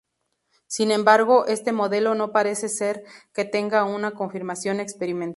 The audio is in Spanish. Sin embargo, este modelo no parece ser que tenga aún confirmación experimental.